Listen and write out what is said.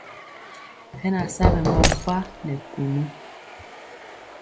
Hɛ na sa ɓɛ mampa nɛ kunu.